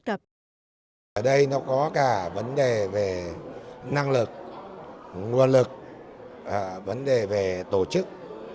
ở đây nó có cả vấn đề về năng lực nguồn lực vấn đề về tổ chức